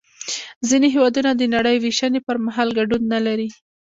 ځینې هېوادونه د نړۍ وېشنې پر مهال ګډون نلري